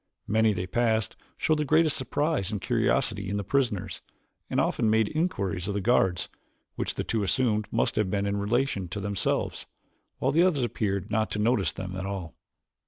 Many they passed showed the greatest surprise and curiosity in the prisoners, and often made inquiries of the guards, which the two assumed must have been in relation to themselves, while others appeared not to notice them at all.